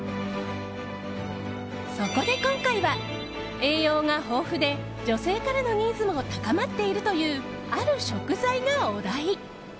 そこで今回は、栄養が豊富で女性からのニーズも高まっているというある食材がお題。